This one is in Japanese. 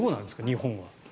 日本は。